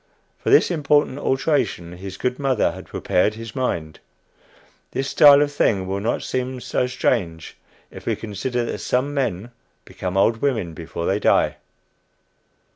For this important alteration his good mother had prepared his mind. This style of thing will not seem so strange if we consider that some men become old women before they die!